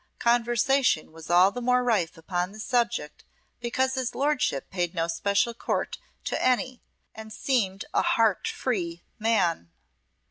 Conversation was all the more rife upon the subject because his Lordship paid no special court to any and seemed a heart free man.